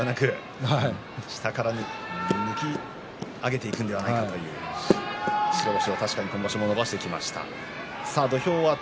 今の三役ではなくて下から持ち上げていくんじゃないかと白星は確かに今場所も伸ばしていきました。